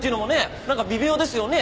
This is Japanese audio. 何か微妙ですよね。